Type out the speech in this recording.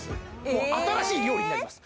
もう新しい料理になります